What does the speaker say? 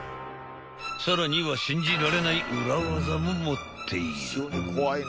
［さらには信じられない裏技も持っている］